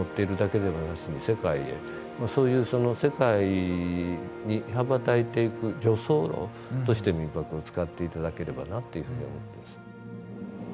そういうその世界に羽ばたいていく助走路として「みんぱく」を使って頂ければなっていうふうに思ってます。